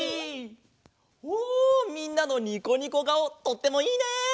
おみんなのにこにこがおとってもいいね！